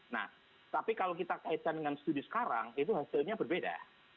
nah tapi kalau kita kaitkan dengan studi sekarang itu hasilnya berbeda